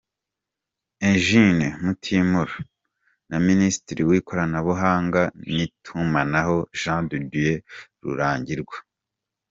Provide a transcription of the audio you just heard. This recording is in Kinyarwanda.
Eugene Mutimura, na Minisitiri w’Ikoranabuhanga n’Itumanaho: Jean de Dieu Rurangirwa.